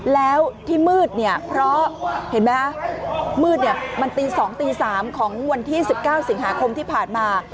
แล้วที่มืดเนี่ยเพราะเห็นไหมคะมืดมันตี๒ตี๓ของวันที่๑๙สิงหาคมที่ผ่านมา